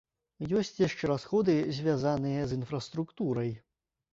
Ёсць яшчэ расходы, звязаныя з інфраструктурай.